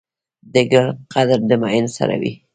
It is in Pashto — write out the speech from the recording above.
د ګل قدر د ميئن سره وي.